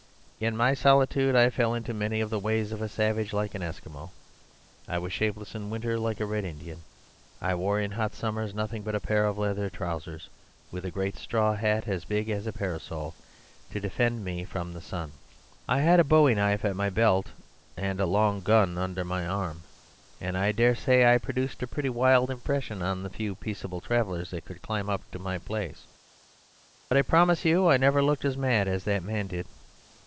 In my solitude I fell into many of the ways of a savage. Like an Eskimo, I was shapeless in winter; like a Red Indian, I wore in hot summers nothing but a pair of leather trousers, with a great straw hat as big as a parasol to defend me from the sun. I had a bowie knife at my belt and a long gun under my arm; and I dare say I produced a pretty wild impression on the few peaceable travellers that could climb up to my place. But I promise you I never looked as mad as that man did.